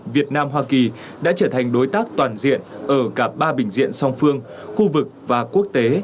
việt nam hoa kỳ đã trở thành đối tác toàn diện ở cả ba bình diện song phương khu vực và quốc tế